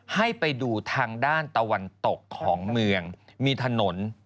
ให้ไปดูทางด้านตะวันตกของเมืองมีถนน